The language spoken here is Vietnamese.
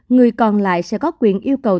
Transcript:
người còn lại sẽ có quyền yêu cầu